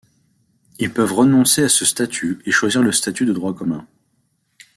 Ils peuvent renoncer à ce statut et choisir le statut de droit commun.